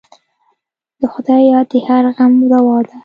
د خدای یاد د هر غم دوا ده.